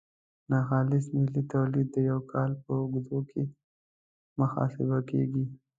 ناخالص ملي تولید د یو کال په اوږدو کې محاسبه کیږي.